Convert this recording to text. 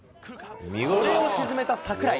これを沈めた櫻井。